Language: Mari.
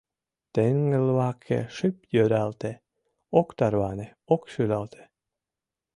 Теҥгылваке шып йӧралте Ок тарване, ок шӱлалте!